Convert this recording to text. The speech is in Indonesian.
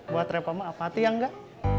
buat repot maaf hati ya nggak